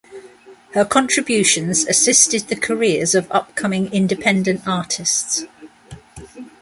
Her contributions assisted the careers of upcoming independent artists.